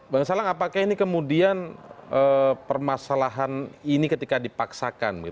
bang salang apakah ini kemudian permasalahan ini ketika dipaksakan